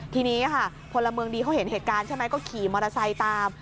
ทีนี้ค่ะพลเมืองดีเขาเห็นเหตุการณ์ใช่ไหมก็ขี่มอเตอร์ไซค์ตาม